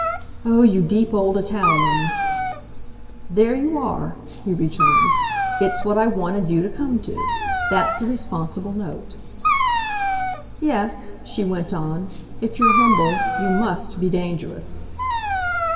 "Oh, you deep old Italians!" "There you are," he returned "it's what I wanted you to come to. That's the responsible note." "Yes," she went on "if you're 'humble' you MUST be dangerous."